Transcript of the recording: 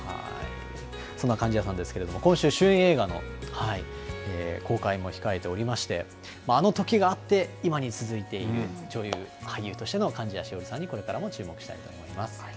そんな貫地谷さんですけれども、今週、主演映画の公開も控えておりまして、あの時があって、今に続いている女優、俳優としての貫地谷しほりさんに、これからも注目したいなと思います。